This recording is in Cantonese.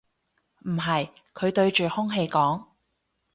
唔係，佢對住空氣講